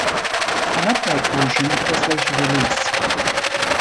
An upright version was later released.